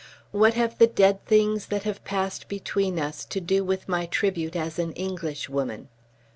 What have the dead things that have passed between us to do with my tribute as an Englishwoman?"